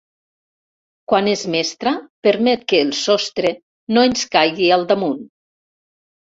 Quan és mestra permet que el sostre no ens caigui al damunt.